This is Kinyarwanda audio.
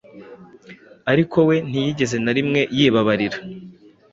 Ariko we ntiyigeze na rimwe yibababarira.